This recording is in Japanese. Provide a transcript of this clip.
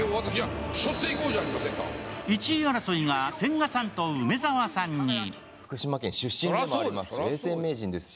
１位争いが千賀さんと梅沢さんに。